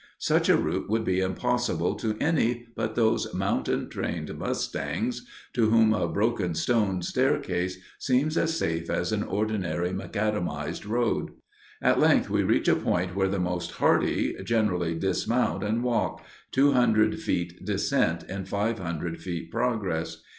Such a route would be impossible to any but those mountain trained mustangs, to whom a broken stone staircase seems as safe as an ordinary macadamized road. At length we reach a point where the most hardy generally dismount and walk—two hundred feet descent in five hundred feet progress.